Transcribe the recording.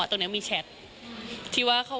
ตรงนี้มีแชท